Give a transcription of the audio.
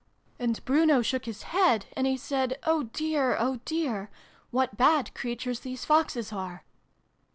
And Bruno shook his head, and he said ' Oh dear, oh dear ! What bad creatures these Foxes are